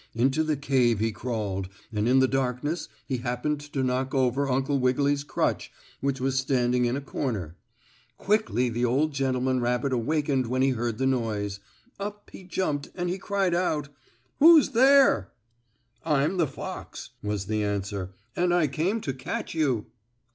Into the cave he crawled, and in the darkness he happened to knock over Uncle Wiggily's crutch, which was standing in a corner. Quickly the old gentleman rabbit awakened when he heard the noise. Up he jumped and he cried out: "Who's there?" "I'm the fox," was the answer, "and I came to catch you."